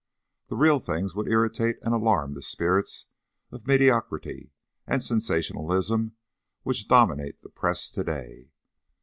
The real thing would irritate and alarm the spirits of mediocrity and sensationalism which dominate the press to day.